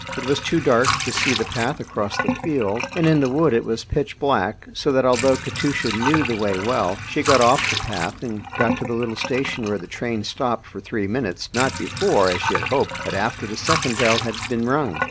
It was too dark to see the path across the field, and in the wood it was pitch black, so that although Katusha knew the way well, she got off the path, and got to the little station where the train stopped for three minutes, not before, as she had hoped, but after the second bell had been rung.